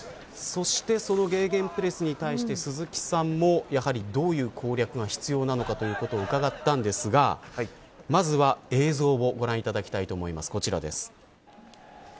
そして、そのゲーゲンプレスに対して、鈴木さんもやはりどういう攻略が必要なのかと伺ったんですがまずは映像をご覧いただきます、こちらです。